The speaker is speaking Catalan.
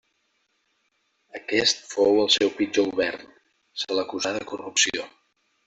Aquest fou el seu pitjor govern, se l'acusà de corrupció.